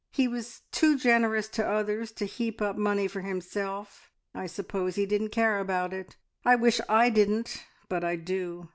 He was too generous to others to heap up money for himself. I suppose he didn't care about it. I wish I didn't, but I do.